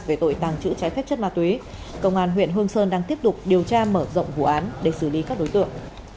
về tội tàng trữ trái phép chất ma túy công an huyện hương sơn đang tiếp tục điều tra mở rộng vụ án để xử lý các đối tượng